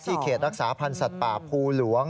เขตรักษาพันธ์สัตว์ป่าภูหลวง